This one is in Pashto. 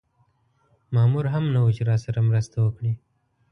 مامور هم نه و چې راسره مرسته وکړي.